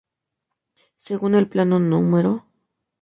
Según el Plano No.